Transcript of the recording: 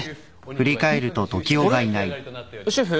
シェフ？